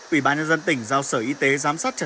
ubnd tỉnh giao sở y tế giám sát chặt chẽ